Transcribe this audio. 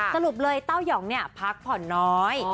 สรุปเลยเต้ายองเนี่ยพักผ่อนน้อย